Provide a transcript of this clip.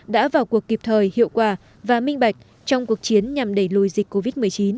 đã vào cuộc kịp thời hiệu quả và minh bạch trong cuộc chiến nhằm đẩy lùi dịch covid một mươi chín